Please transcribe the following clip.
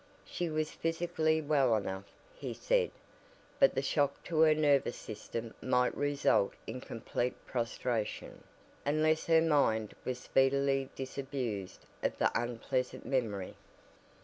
She was physically well enough, he said, but the shock to her nervous system might result in complete prostration, unless her mind was speedily disabused of the unpleasant memory.